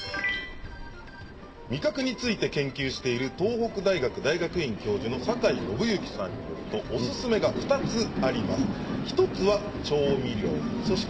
味覚について研究している東北大学大学院教授の坂井伸之さんによるとおすすめが２つあります。